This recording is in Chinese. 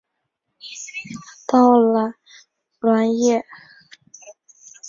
倒卵叶红淡比为山茶科红淡比属下的一个种。